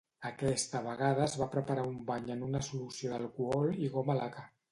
Aquesta vegada es va preparar un bany en una solució d'alcohol i goma laca.